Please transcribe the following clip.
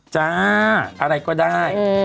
จ้าอะไรก็ได้